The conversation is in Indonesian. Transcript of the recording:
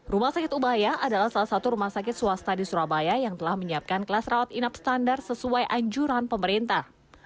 rumah sakit ubaya adalah salah satu rumah sakit swasta di surabaya yang telah menyiapkan kelas rawat inap standar sesuai anjuran pemerintah